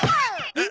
えっ？